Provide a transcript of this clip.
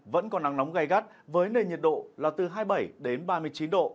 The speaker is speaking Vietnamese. vẫn có nắng nóng gây gắt với nền nhiệt độ là từ hai mươi bảy ba mươi chín độ